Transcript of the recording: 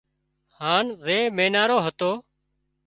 هانَ زي مينارو هتو